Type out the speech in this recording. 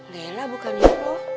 lela bukannya kok